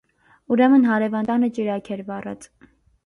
ուրեմն հարևան տանը ճրագ էր վառած: